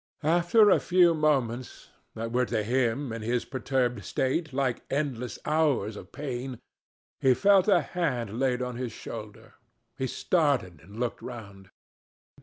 After a few moments—that were to him, in his perturbed state, like endless hours of pain—he felt a hand laid on his shoulder. He started and looked round.